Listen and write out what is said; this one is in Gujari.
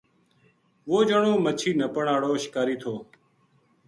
وہ جنو مچھی نپن ہاڑو شکاری تھو